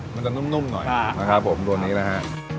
มันจะนุ่มหน่อยนะครับผมตัวนี้นะฮะ